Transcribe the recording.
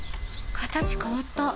形変わった。